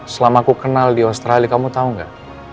selama aku kenal di australia kamu tau gak